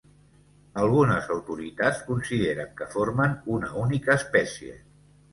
Algunes autoritats consideren que formen una única espècie.